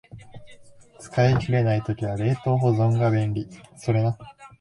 使い切れない時は冷凍保存が便利